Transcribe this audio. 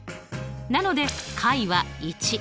なので解は１。